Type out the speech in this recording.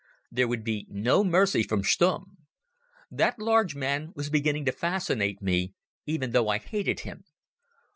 There would be no mercy from Stumm. That large man was beginning to fascinate me, even though I hated him.